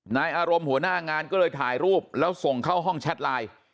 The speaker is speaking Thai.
นายอารมณ์หัวหน้างานก็เลยถ่ายรูปแล้วส่งเข้าห้องแชทไลน์